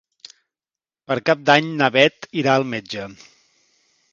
Per Cap d'Any na Bet irà al metge.